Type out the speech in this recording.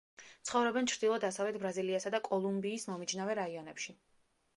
ცხოვრობენ ჩრდილო-დასავლეთ ბრაზილიასა და კოლუმბიის მომიჯნავე რაიონებში.